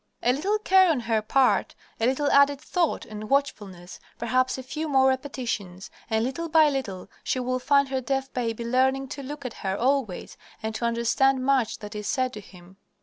A little care on her part, a little added thought and watchfulness, perhaps a few more repetitions, and little by little she will find her deaf baby learning to look at her always, and to understand much that is said to him.